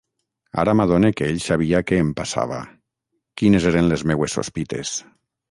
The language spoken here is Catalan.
Ara m'adone que ell sabia què em passava; quines eren les meues sospites.